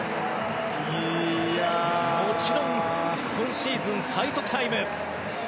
もちろん今シーズン最速タイム。